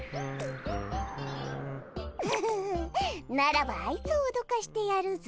フフフッならばあいつをおどかしてやるぞ！